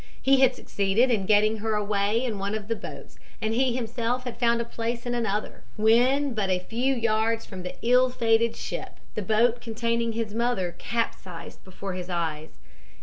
He had succeeded in getting her away in one of the boats and he himself had found a place in another. When but a few yards from the ill fated ship the boat containing his mother capsized before his eyes.